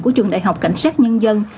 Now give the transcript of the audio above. của trường đại học cảnh sát nhân dân